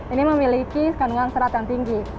ini memiliki kandungan serat yang tinggi